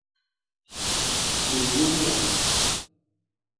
Di nnuhlana.